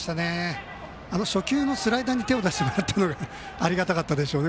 初球のスライダーに手を出してもらったのがありがたかったでしょうね